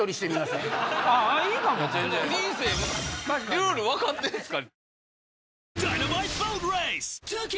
ルール分かってんすか？